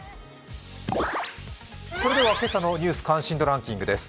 それでは今朝の「ニュース関心度ランキング」です。